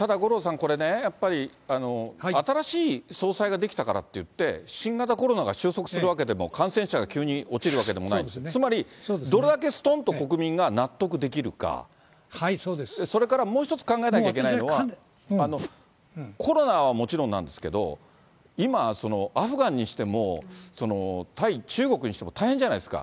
これね、やっぱり新しい総裁が出来たからといって、新型コロナが収束するわけでも、感染者が急に落ちるわけでもない、つまり、どれだけすとんと国民が納得できるか、それからもう一つ考えなきゃいけないのは、コロナはもちろんなんですけど、今、アフガンにしても、対中国にしても大変じゃないですか。